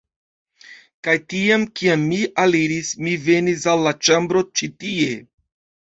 Kaj tiam, kiam mi aliris, mi venis al la ĉambro ĉi tie